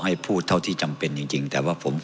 ท่านประธานครับนี่คือสิ่งที่สุดท้ายของท่านครับ